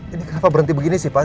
ini kenapa berhenti begini sih pak